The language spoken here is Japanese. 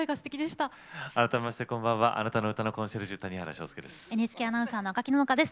改めましてあなたの歌のコンシェルジュ谷原章介です。